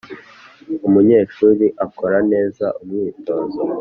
Umunyeshuri akore neza umwitozo